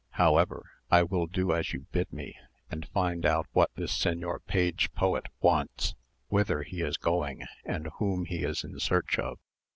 However, I will do as you bid me, and find out what this señor page poet wants, whither he is going, and whom he is in search of.